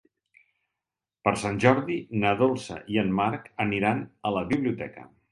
Per Sant Jordi na Dolça i en Marc aniran a la biblioteca.